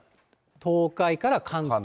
東海から関東。